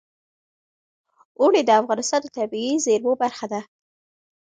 اوړي د افغانستان د طبیعي زیرمو برخه ده.